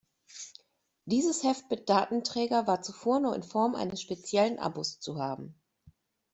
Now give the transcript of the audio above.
Dieses Heft mit Datenträger war zuvor nur in Form eines speziellen Abos zu haben.